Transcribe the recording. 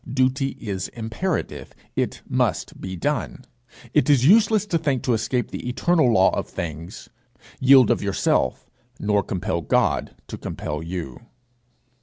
Duty is imperative; it must be done. It is useless to think to escape the eternal law of things; yield of yourself, nor compel God to compel you.